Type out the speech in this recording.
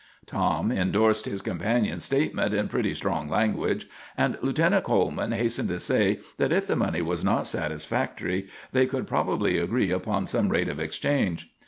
Tom indorsed his companion's statement in pretty strong language, and Lieutenant Coleman hastened to say that if the money was not satisfactory, they could probably agree upon some rate of exchange.